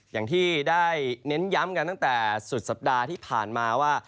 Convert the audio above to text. อย่างที่ได้เน้นย้ำกันตั้งแต่สุดสัปดาห์ที่ผ่านมาว่า